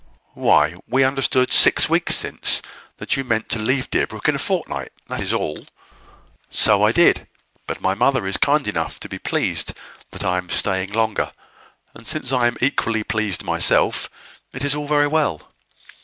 "Why, we understood, six weeks since, that you meant to leave Deerbrook in a fortnight: that is all." "So I did: but my mother is kind enough to be pleased that I am staying longer; and since I am equally pleased myself, it is all very well.